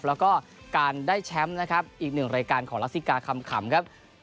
แล้วก็การได้แชมป์นะครับอีกหนึ่งรายการของลักษิกาคำขำครับ